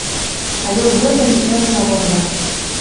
Але ў гэтым і асалода.